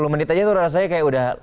sepuluh menit aja tuh rasanya kayak udah